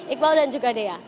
iqbal dan juga dea